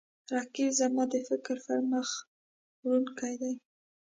رقیب زما د فکر پرمخ وړونکی دی